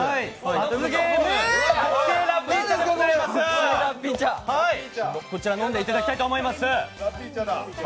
罰ゲーム、こちら、飲んでいただきたいと思います。